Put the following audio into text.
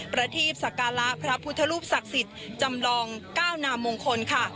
ประทีบสักการะพระพุทธรูปศักดิ์สิทธิ์จำลองก้าวนามมงคลค่ะ